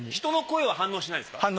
人の声は反応しないんですか？